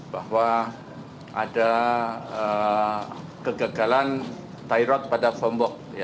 bahwa ada kegagalan tie rod pada fombok